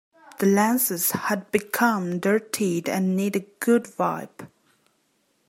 The lenses had become dirtied and need a good wipe.